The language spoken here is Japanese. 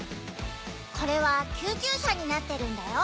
これは救急車になってるんだよ。